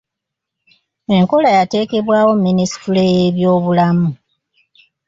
Enkola yateekebwawo minisitule y'ebyobulamu.